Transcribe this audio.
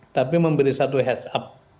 tapi memberi satu head up